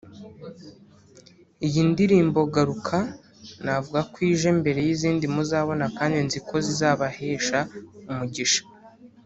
Iyi ndirimbo Garuka navuga ko ije mbere y'izindi muzabona kandi nzi ko zizabahesha umugisha